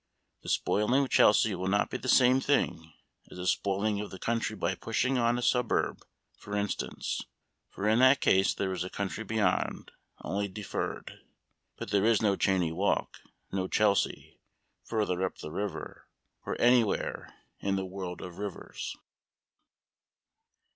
The spoiling of Chelsea will not be the same thing as the spoiling of the country by pushing on a suburb, for instance; for in that case there is country beyond, only deferred. But there is no Cheyne Walk, no Chelsea, further up the river, or anywhere in the world of rivers.